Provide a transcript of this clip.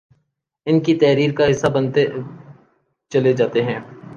ان کی تحریر کا حصہ بنتے چلے جاتے ہیں